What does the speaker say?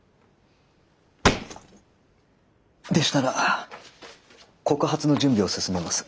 でしたら告発の準備を進めます。